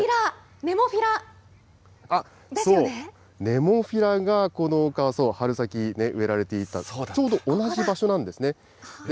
そう、ネモフィラがこの丘は植えられていた、ちょうど同じ場所なんですね。